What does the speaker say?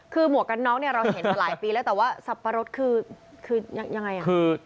คือหมวกกันน็อกเนี่ยเราเห็นมาหลายปีแล้วแต่ว่าสับปะรดคือคือยังไงอ่ะ